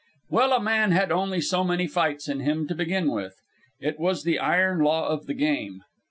Well, a man had only so many fights in him, to begin with. It was the iron law of the game.